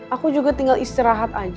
aku juga tinggal istirahat aja